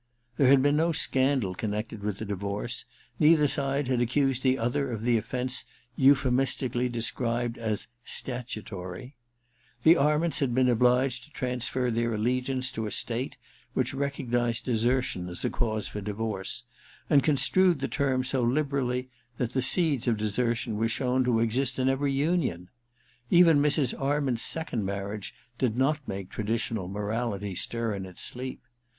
There had been no scandal connected with the divorce : neither side had accused the other of the ofFence euphemistically described as * statutory.' The Arments had indeed been obliged to transfer their allegiance to a State which recognized desertion as a cause for divorce, and construed the term so liberally that the seeds of desertion were shown to exist in every union. Even Mrs. Arment's second marriage did not make traditional morality stir in its sleep.